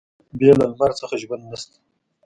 بې له لمر څخه ژوند نشته.